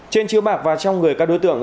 trên chiếu bạc và trong người các đối tượng